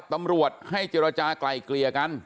ตำรวจให้เจรจากลายเกลี่ยกัน